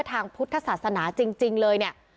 ถ้าศาสนาจริงเลยเนี่ย